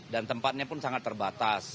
dan tempatnya pun sangat terbatas